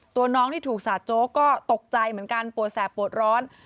ตัวน้องที่ถูกสาดโจ๊กก็ตกใจเหมือนกันปวดแสบปวดร้อน